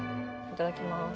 いただきます